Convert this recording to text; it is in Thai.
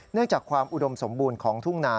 จากความอุดมสมบูรณ์ของทุ่งนา